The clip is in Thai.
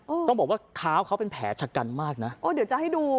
ต้องบอกว่าเท้าเขาเป็นแผลชะกันมากนะโอ้เดี๋ยวจะให้ดู